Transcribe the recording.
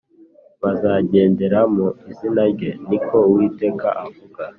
bazagendera mu izina rye Ni ko Uwiteka avuga